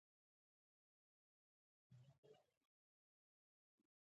هرکله راشئ!